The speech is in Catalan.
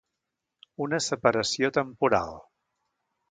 Una separació temporal.